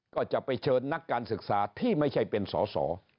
ก็จะไปเชิญนักการศึกษาที่ไม่ใช่เป็นสอสอ